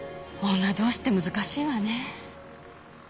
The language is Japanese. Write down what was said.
女同士って難しいわね。